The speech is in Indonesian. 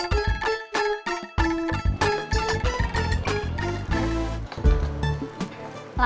di sjendela saya